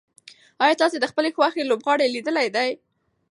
ایا تاسي د خپلې خوښې لوبغاړی لیدلی دی؟